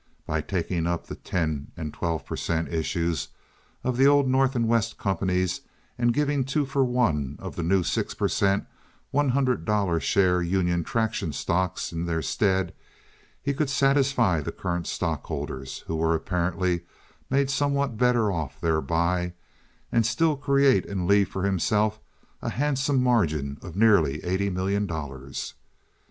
By taking up the ten and twelve per cent. issues of the old North and West companies and giving two for one of the new six per cent one hundred dollar share Union Traction stocks in their stead, he could satisfy the current stockholders, who were apparently made somewhat better off thereby, and still create and leave for himself a handsome margin of nearly eighty million dollars.